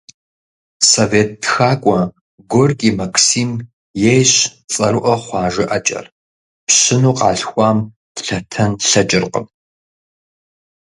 Совет тхакӀуэ Горький Максим ейщ цӀэрыӀуэ хъуа жыӀэкӀэр: «Пщыну къалъхуам лъэтэн лъэкӀыркъым».